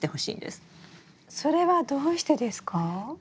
それはどうしてですか？